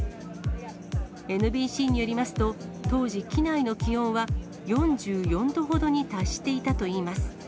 ＮＢＣによりますと、当時、機内の気温は４４度ほどに達していたといいます。